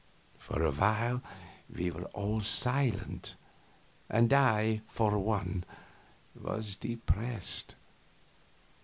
For a while we were all silent, and I, for one, was depressed.